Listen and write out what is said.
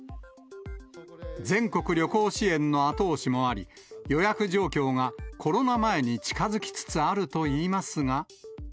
全国旅行支援の後押しもあり、予約状況がコロナ前に近づきつつあるといいますが。